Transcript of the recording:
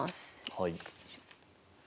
はい。